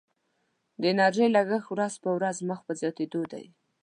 د انرژي لګښت ورځ په ورځ مخ په زیاتیدو دی.